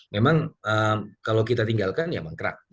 memang kalau kita tinggalkan ya mangkrak